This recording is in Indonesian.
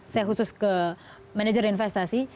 saya khusus ke manajer investasi